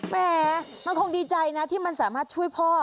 แหมมันคงดีใจนะที่มันสามารถช่วยพ่อ